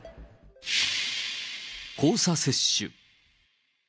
交差接種。